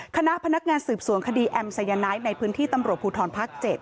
คณะพนักงานสืบสวนคดีแอมสายไนท์ในพื้นที่ตำรวจภูทรภาค๗